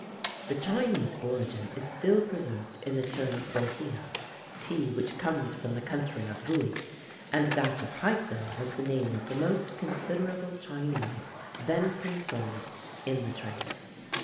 The Chinese origin is still preserved in the term Bohea, tea which comes from the country of Vouhi; and that of Hyson was the name of the most considerable Chinese then concerned in the trade.